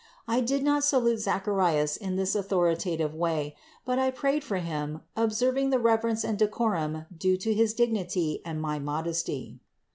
I did not salute Zacharias in this authoritative way, but I prayed for him, observing the reverence and decorum due to his dignity and my modesty.